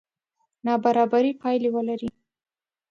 نابرابرې پایلې ولري.